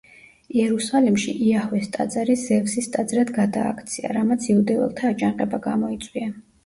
იერუსალიმში იაჰვეს ტაძარი ზევსის ტაძრად გადააქცია, რამაც იუდეველთა აჯანყება გამოიწვია.